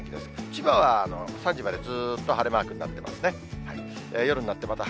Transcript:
千葉は３時までずっと晴れマークになってますね。